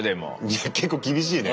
いや結構厳しいね。